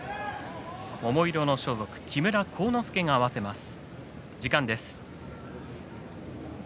桃色の装束木村晃之助が合わせます。